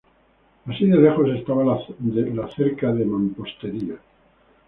Así de lejos estaba la cerca de mampostería.